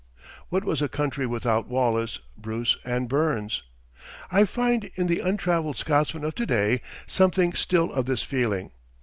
What was a country without Wallace, Bruce, and Burns? I find in the untraveled Scotsman of to day something still of this feeling.